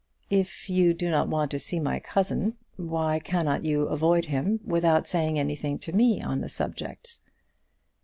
"If you do not want to see my cousin, why cannot you avoid him without saying anything to me on the subject?"